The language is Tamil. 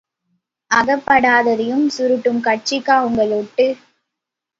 அகப்படாததையும் சுருட்டும் கட்சிக்கா உங்கள் ஒட்டு?